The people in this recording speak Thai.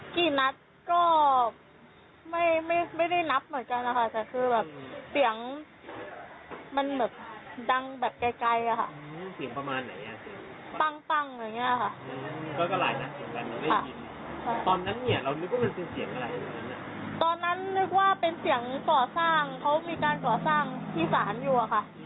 ก็นึกว่าเป็นเสียงก่อสร้างเขามีการก่อสร้างที่ศาลอยู่อะค่ะ